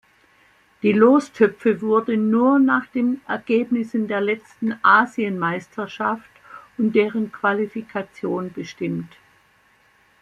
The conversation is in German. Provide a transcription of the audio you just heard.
Die Lostöpfe wurden nur nach den Ergebnissen der letzten Asienmeisterschaft und deren Qualifikation bestimmt.